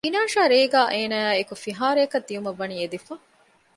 އިނާޝާ ރޭގައި އޭނައާއި އެކު ފިހާރަޔަކަށް ދިއުމަށްވަނީ އެދިފަ